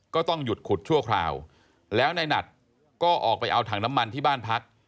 ก็ต้องหยุดขุดชั่วคราวแล้วในหนัดก็ออกไปเอาถังน้ำมันที่บ้านพัก